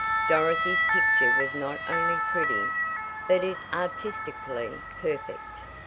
Dorothy's picture was not only pretty, but it artistically perfect.